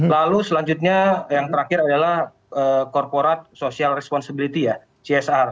lalu selanjutnya yang terakhir adalah corporat social responsibility ya csr